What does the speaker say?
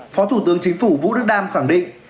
phó thủ tướng chính phủ vũ đức đam khẳng định